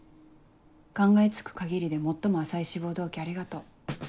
考えつく限りで最も浅い志望動機ありがとう。